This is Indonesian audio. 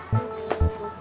jangan naik dulu mas